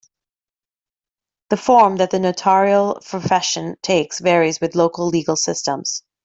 The form that the notarial profession takes varies with local legal systems.